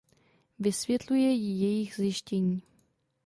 Vysvětluje jí jejich zjištění.